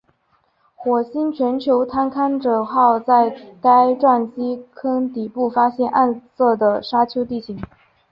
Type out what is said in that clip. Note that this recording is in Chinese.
火星全球探勘者号在该撞击坑底部发现暗色的沙丘地形。